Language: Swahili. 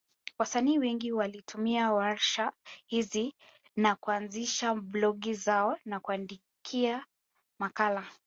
Wasanii wengi walitumia warsha hizi na kuanzisha blogi zao na kuandika makala.